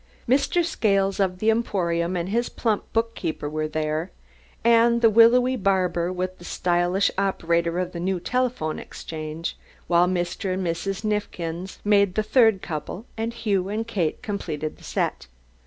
Mr. Scales of the Emporium and his plump bookkeeper were there, and the willowy barber with the stylish operator of the new telephone exchange, while Mr. and Mrs. Neifkins made the third couple, and Hugh and Kate completed the set.